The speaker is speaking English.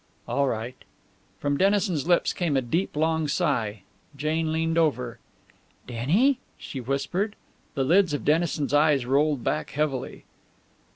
"All right." From Dennison's lips came a deep, long sigh. Jane leaned over. "Denny?" she whispered. The lids of Dennison's eyes rolled back heavily.